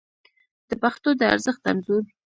د پښتو د ارزښت انځور